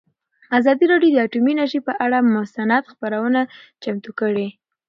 ازادي راډیو د اټومي انرژي پر اړه مستند خپرونه چمتو کړې.